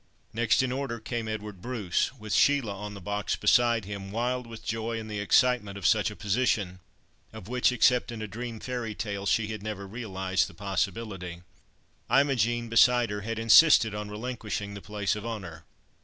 Next in order came Edward Bruce, with Sheila on the box beside him, wild with joy and the excitement of such a position, of which, except in a dream fairy tale, she had never realised the possibility. Imogen, beside her, had insisted on relinquishing the place of honour.